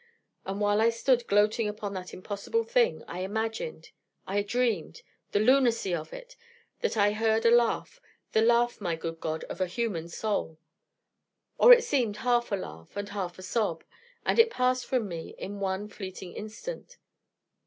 _ And while I stood gloating upon that impossible thing, I imagined I dreamed the lunacy of it! that I heard a laugh...! the laugh, my good God, of a human soul. Or it seemed half a laugh, and half a sob: and it passed from me in one fleeting instant.